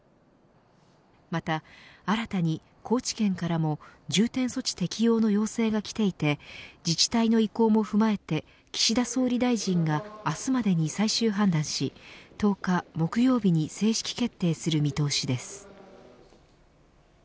また、新たに高知県からも重点措置適用の要請がきていて自治体の意向も踏まえて岸田総理大臣が明日までに最終判断し１０日木曜日に正式決定する見通しです。